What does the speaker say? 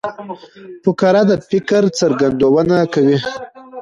فقره د فکر څرګندونه کوي.